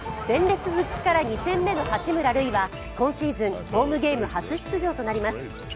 戦列復帰から２戦目の八村塁は、今シーズン、ホームゲーム初出場となります。